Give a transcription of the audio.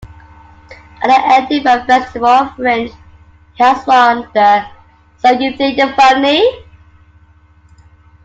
At the Edinburgh Festival Fringe he has won the 'So You Think You're Funny?